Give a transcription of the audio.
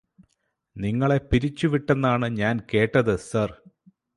നിങ്ങളെ പിരിച്ചു വിട്ടെന്നാണ് ഞാന് കേട്ടത് സര്